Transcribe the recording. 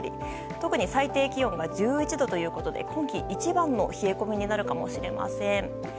特に最低気温が１１度ということで今季一番の冷え込みになるかもしれません。